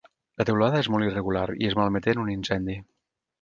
La teulada és molt irregular i es malmeté en un incendi.